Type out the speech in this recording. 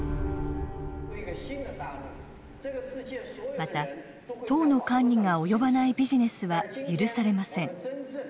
また党の管理が及ばないビジネスは許されません。